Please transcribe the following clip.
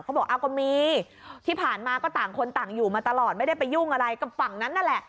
เขาบอกอ้าวก็มีที่ผ่านมาก็ต่างคนต่างอยู่มาตลอดไม่ได้ไปยุ่งอะไรกับฝั่งนั้นนั่นแหละ